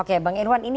oke bang irwan ini